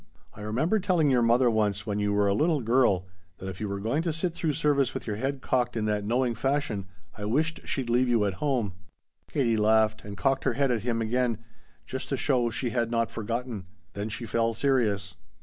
I remember telling your mother once when you were a little girl that if you were going to sit through service with your head cocked in that knowing fashion I wished she'd leave you at home." Katie laughed and cocked her head at him again, just to show she had not forgotten. Then she fell serious.